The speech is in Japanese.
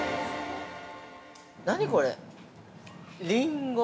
◆何これ。